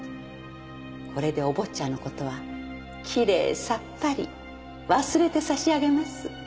これでお坊ちゃんのことは奇麗さっぱり忘れてさしあげます